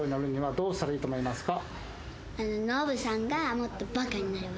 どうしたらいいと思いますか？